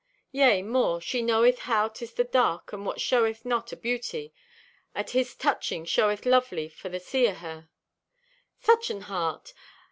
Yea, more; she knoweth how 'tis the dark and what showeth not o' beauty, at His touching showeth lovely for the see o' her. "Such an heart!